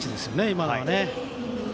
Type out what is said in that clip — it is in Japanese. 今のはね。